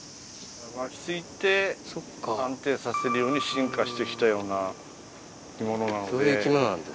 巻きついて安定させるように進化して来たような生き物なので。